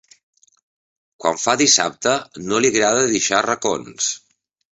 Quan fa dissabte no li agrada deixar racons.